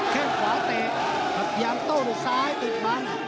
แค่งขวาเตะพยายามโต๊ะหรือซ้ายติดบัน